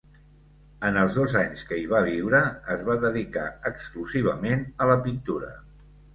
En els dos anys que hi va viure, es va dedicar exclusivament a la pintura.